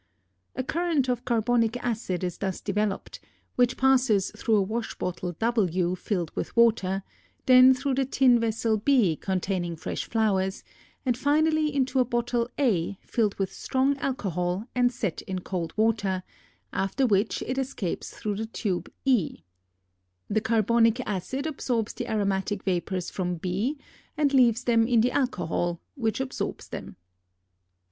A current of carbonic acid is thus developed, which passes through a wash bottle W filled with water, then through the tin vessel B containing fresh flowers, and finally into a bottle A filled with strong alcohol and set in cold water, after which it escapes through the tube e. The carbonic acid absorbs the aromatic vapors from B and leaves them in the alcohol which absorbs them.